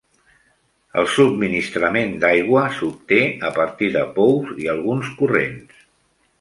El subministrament d'aigua s'obté a partir de pous i alguns corrents.